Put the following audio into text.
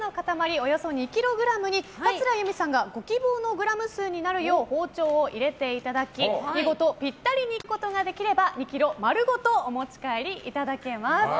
およそ２ｋｇに、桂由美さんがご希望のグラム数になるよう包丁を入れていただき見事、ぴったりに切ることができれば、２ｋｇ丸ごとお持ち帰りいただけます。